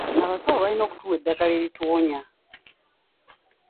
Abasawo balina okutuwa eddagala erituwonya.